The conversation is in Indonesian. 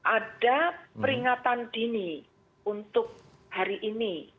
ada peringatan dini untuk hari ini